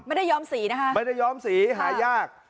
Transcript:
ย้อมสีนะคะไม่ได้ย้อมสีหายาก